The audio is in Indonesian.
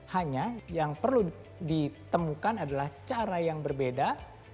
hanya yang perlu ditemukan adalah cara yang berbeda